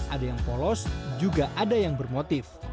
ada yang polos juga ada yang bermotif